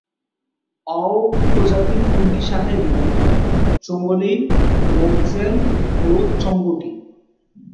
অও উপজাতি তিনটি শাখায় বিভক্ত- চোঙলি, মোঙসেন ও চঙকি।